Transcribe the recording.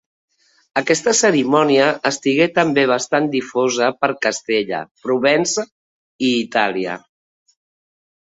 Aquesta cerimònia estigué també bastant difosa per Castella, Provença i Itàlia.